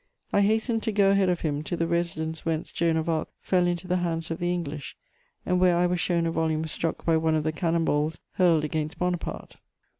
I hastened to go ahead of him to the residence whence Joan of Arc fell into the hands of the English and where I was shown a volume struck by one of the cannon balls hurled against Bonaparte.